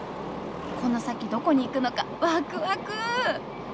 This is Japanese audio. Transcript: この先どこに行くのかワクワク！